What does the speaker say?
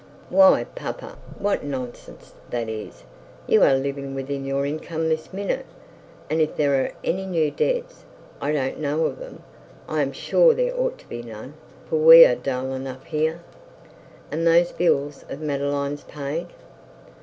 'Why, papa, what nonsense that is. You are living within your income this minute, and if there are any new debts, I don't know of them. I am sure there ought to be none, for we are dull enough here.' 'Are those bills of Madeline's paid?'